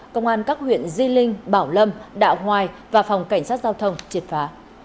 công an các huyện di linh bảo lâm đạo hoài và phòng cảnh sát giao thông triệt phá